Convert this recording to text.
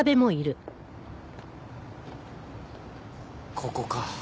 ここか。